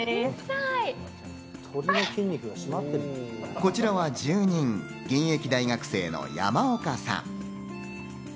こちらは住人、現役大学生の山岡さん。